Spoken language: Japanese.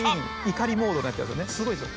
怒りモードになっちゃうんですよね